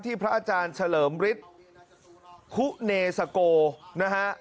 พระอาจารย์เฉลิมฤทธิ์คุเนสโกนะฮะ